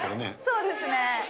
そうですね。